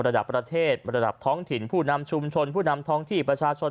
ระดับประเทศระดับท้องถิ่นผู้นำชุมชนผู้นำท้องที่ประชาชน